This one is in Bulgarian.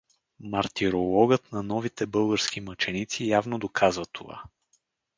Мартирологът на новите български мъченици явно доказва това.